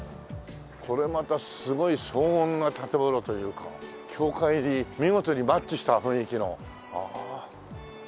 これまたすごい荘厳な建物というか教会に見事にマッチした雰囲気のああ。